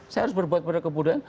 saya harus berbuat pada kebudayaan